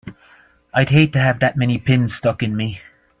I'd hate to have that many pins stuck in me!